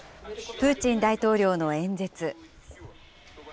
プーチン大統領の演説。